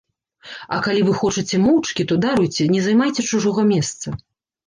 А калі вы хочаце моўчкі, то, даруйце, не займайце чужога месца.